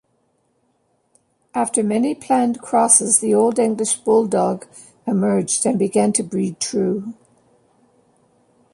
After many planned crosses, the Olde English Bulldogge emerged and began to breed true.